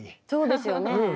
そうですよね。